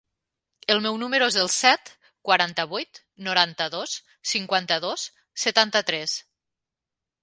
El meu número es el set, quaranta-vuit, noranta-dos, cinquanta-dos, setanta-tres.